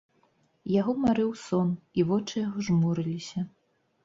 Яго марыў сон, і вочы яго жмурыліся.